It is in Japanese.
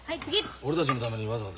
俺たちのためにわざわざ？